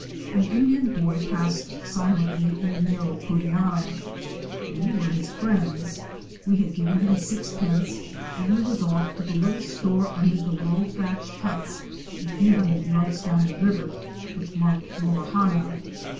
An Indian boy passed silently in a narrow curiara. We were his friends— we had given him sixpence and he was off to the little store amid the low thatched huts a few hundred yards down the river, which marked Morawhanna.